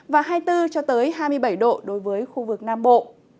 và hai mươi bốn hai mươi bảy độ đối với khu vực nam bộ